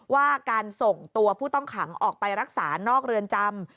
ว่าการส่งตัวผู้ต้องขังออกไปรักษานอกเรือนจำ